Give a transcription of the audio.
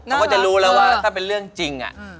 เขาก็จะรู้แล้วว่าถ้าเป็นเรื่องจริง